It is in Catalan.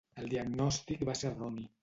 El diagnòstic va ser erroni.